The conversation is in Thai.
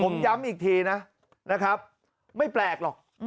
ผมย้ำอีกทีนะไม่แปลกหรอก